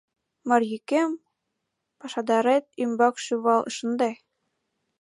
«Марйукем, пашадарет ӱмбак шӱвал шынде!